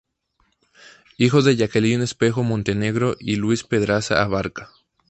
Hijo de Jacqueline Espejo Montenegro y Luis Pedraza Abarca.